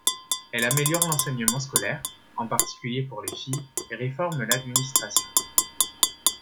Elle améliore l'enseignement scolaire, en particulier pour les filles, et réforme l'administration.